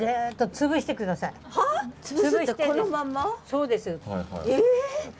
そうです。え？